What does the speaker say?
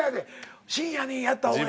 深夜にやった方がええ。